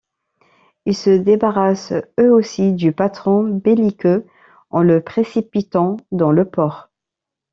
Ils se débarrassent eux aussi du patron belliqueux en le précipitant dans le port.